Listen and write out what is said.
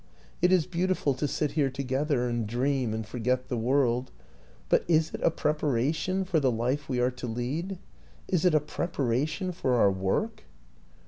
It is beautiful to sit here together and dream and forget the world but is it a preparation for the life we are to lead? Is it a preparation for our work?